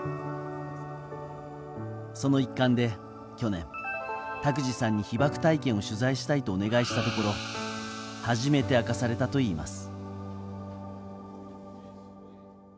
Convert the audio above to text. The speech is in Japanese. その一環で去年、拓治さんに被爆体験を取材したいとお願いしたところ初めて明かされたといいます。